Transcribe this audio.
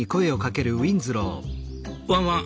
「ワンワン。